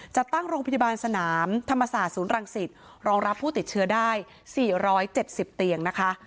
จัดตั้งโรงพยาบาลสนามธรรมศาสตร์ศูนย์รังสิตรองรับผู้ติดเชื้อได้๔๗๐เตียงนะคะ